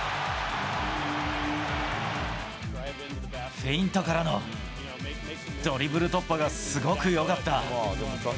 フェイントからのドリブル突破がすごくよかった。